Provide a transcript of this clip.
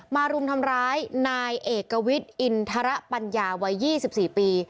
รุมทำร้ายนายเอกวิทย์อินทรปัญญาวัย๒๔ปี